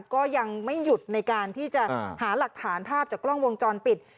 ก็ยังไม่หยุดในการที่จะหาหลักฐานภาพจากกล้องวงจรปิด